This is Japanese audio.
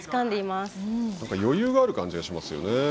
余裕がある感じがしますよね。